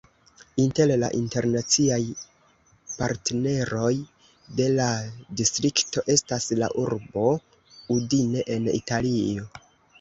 Inter la internaciaj partneroj de la distrikto estas la urbo Udine en Italio.